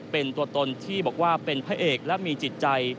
เป็นตัวตนที่บอกว่าเป็นพระเอกและมีจิตใจ